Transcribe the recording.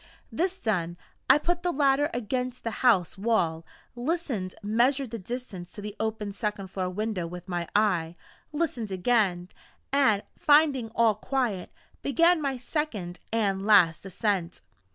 This done, I put the ladder against the house wall, listened, measured the distance to the open second floor window with my eye, listened again and, finding all quiet, began my second and last ascent.